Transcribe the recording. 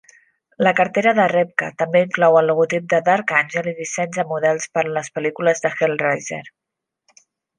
La cartera de Repka també inclou el logotip de Dark Angel i dissenys de models per a les pel·lícules de "Hellraiser".